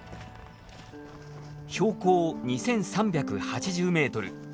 標高２，３８０メートル。